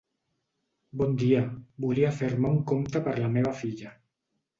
Bon dia, volia fer-me un compte per la meva filla.